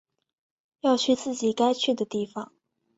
要去自己该去的地方